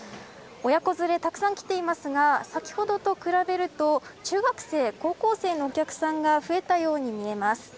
親子連れ、たくさん来ていますが先ほどと比べると中学生高校生のお客さんが増えたように見えます。